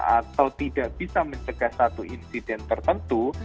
atau tidak bisa mencegah satu insiden tertentu